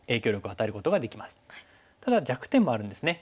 ただ弱点もあるんですね。